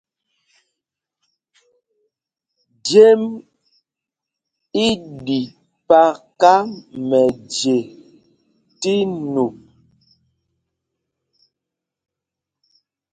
Jem í ɗi paka mɛje tí nup.